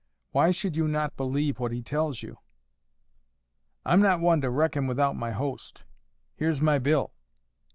Why should you not believe what he tells you?" "I'm not one to reckon without my host. Here's my bill."